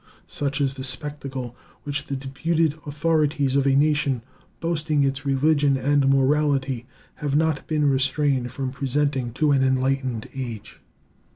Such is the spectacle which the deputed authorities of a nation boasting its religion and morality have not been restrained from presenting to an enlightened age.